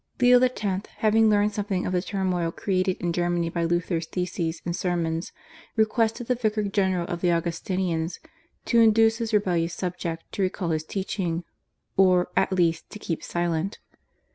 Leo X., having learned something of the turmoil created in Germany by Luther's theses and sermons, requested the vicar general of the Augustinians to induce his rebellious subject to recall his teaching, or, at least, to keep silent.